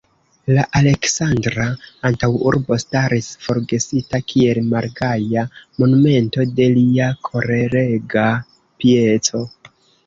La Aleksandra antaŭurbo staris forgesita kiel malgaja monumento de lia kolerega pieco.